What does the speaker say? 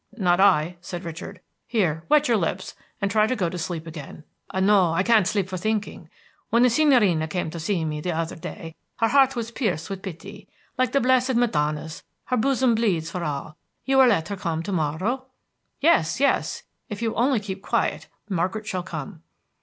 "Not I," said Richard. "Here, wet your lips, and try to go to sleep again." "No, I can't sleep for thinking. When the Signorina came to see me, the other day, her heart was pierced with pity. Like the blessed Madonna's, her bosom bleeds for all! You will let her come to morrow?" "Yes, yes! If you will only keep quiet, Margaret shall come."